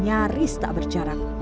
nyaris tak berjarak